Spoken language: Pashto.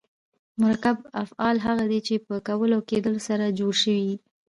مرکب افعال هغه دي، چي په کول او کېدل سره جوړ سوي یي.